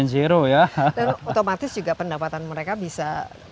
dan otomatis juga pendapatan mereka bisa